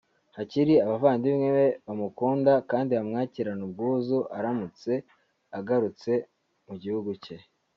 hakiri abavandimwe be bamukunda kandi bamwakirana ubwuzu aramutse agarutse mu gihugu cye